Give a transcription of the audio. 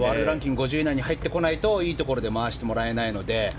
５０位以内に入ってこないといいところで回してもらえないので。